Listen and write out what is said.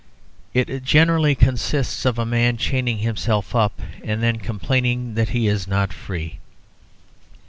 It generally consists of a man chaining himself up and then complaining that he is not free.